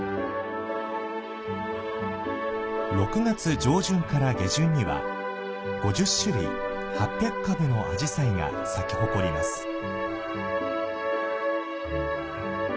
６月上旬から下旬には、５０種類８００株のアジサイが咲き誇ります。